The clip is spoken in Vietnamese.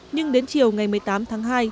nhưng đến chiều ngày một mươi tám tháng hai